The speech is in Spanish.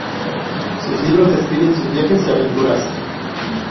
Sus libros describen sus viajes y aventuras.